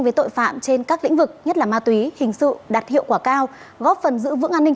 với tội phạm trên các lĩnh vực nhất là ma túy hình sự đạt hiệu quả cao góp phần giữ vững an ninh